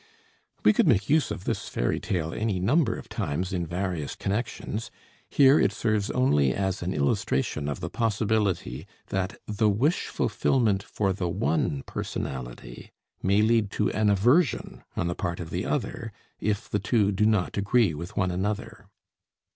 We could make use of this fairy tale any number of times in various connections; here it serves only as an illustration of the possibility that the wish fulfillment for the one personality may lead to an aversion on the part of the other, if the two do not agree with one another.